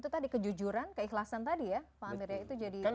itu tadi kejujuran keikhlasan tadi ya pak amir ya itu jadi